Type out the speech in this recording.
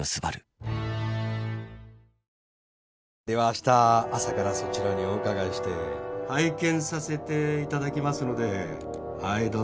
では明日朝からそちらにお伺いして拝見させていただきますのではい